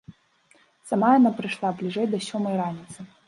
Сама яна прыйшла бліжэй да сёмай раніцы.